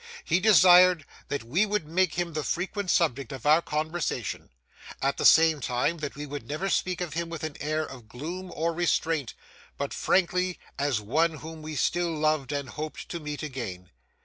He desired that we would make him the frequent subject of our conversation; at the same time, that we would never speak of him with an air of gloom or restraint, but frankly, and as one whom we still loved and hoped to meet again.